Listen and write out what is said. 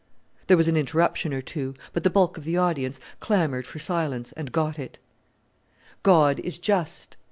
There was an interruption or two; but the bulk of the audience clamoured for silence, and got it. "God is just.